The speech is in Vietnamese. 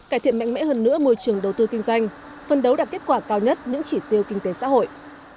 cải thiện mạnh mẽ hơn nữa môi trường đầu tư kinh doanh phân đấu đạt kết quả cao nhất những chỉ tiêu kinh tế xã hội